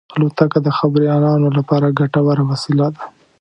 الوتکه د خبریالانو لپاره ګټوره وسیله ده.